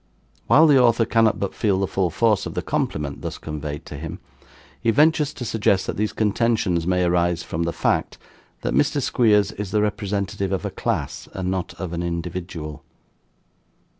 "While the Author cannot but feel the full force of the compliment thus conveyed to him, he ventures to suggest that these contentions may arise from the fact, that Mr. Squeers is the representative of a class, and not of an individual.